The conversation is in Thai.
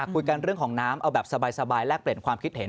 คุยกันเรื่องของน้ำเอาแบบสบายแลกเปลี่ยนความคิดเห็น